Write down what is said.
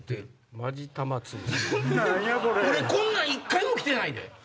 俺こんなん一回も来てないで。